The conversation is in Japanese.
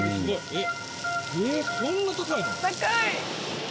えっ？